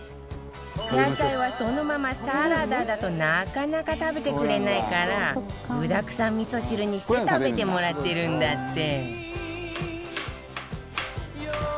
野菜は、そのままサラダだとなかなか食べてくれないから具だくさんみそ汁にして食べてもらってるんだって。